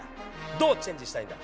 どうチェンジしたいんだ。